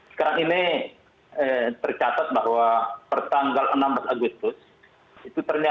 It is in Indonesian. sekarang ini tercatat bahwa pertanggal online